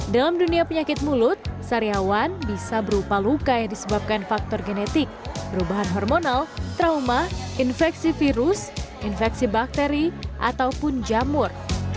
dalam dunia penyakit mulut sariawan bisa berupa luka yang disebabkan faktor genetik perubahan hormonal trauma infeksi virus infeksi bakteri ataupun jamur